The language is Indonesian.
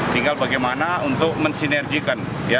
tinggal bagaimana untuk mensinergikan